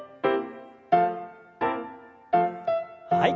はい。